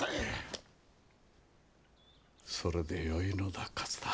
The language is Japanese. それでよいのだ勝太。